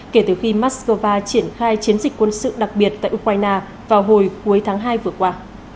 kể từ khi moscow triển khai chiến dịch quân sự đặc biệt tại ukraine vào hồi cuối tháng hai vừa qua